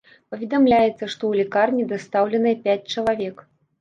Паведамляецца, што ў лякарні дастаўленыя пяць чалавек.